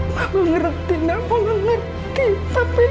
mama ngerang tindak pengen lagi tapi